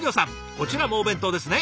こちらもお弁当ですね。